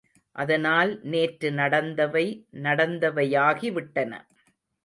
ஆதலால் நேற்று நடந்தவை நடந்தவையாகி விட்டன.